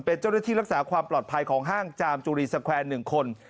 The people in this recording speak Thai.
เป็นเจ้าหน้าที่รักษาความปลอดภัยของห้างจามจุรีสแควร์๑คน